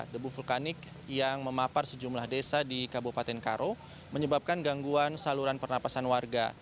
debu vulkanik yang memapar sejumlah desa di kabupaten karo menyebabkan gangguan saluran pernapasan warga